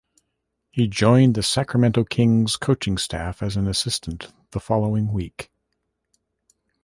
He joined the Sacramento Kings' coaching staff as an assistant the following week.